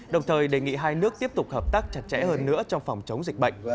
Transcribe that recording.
đồng thời đề nghị hai nước tiếp tục hợp tác chặt chẽ hơn nữa trong phòng chống dịch bệnh